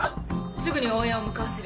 すぐに応援を向かわせる。